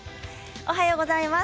おはようございます。